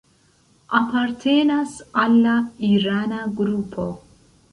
Apartenas al la irana grupo.